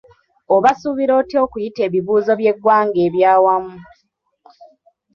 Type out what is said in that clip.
Obasuubira otya okuyita ebigezo by’eggwanga eby’awamu?